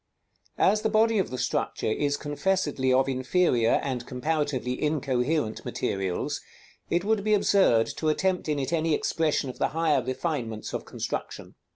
_ As the body of the structure is confessedly of inferior, and comparatively incoherent materials, it would be absurd to attempt in it any expression of the higher refinements of construction.